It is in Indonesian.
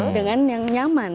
dengan yang nyaman